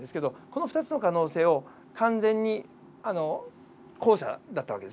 この２つの可能性を完全に後者だった訳です。